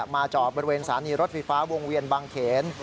มาจอบริเวณสาริรถฝีฟ้าวงเวียนบางเขน